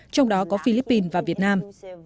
trong đó có philippines và việt nam